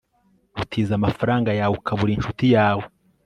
gutiza amafaranga yawe ukabura inshuti yawe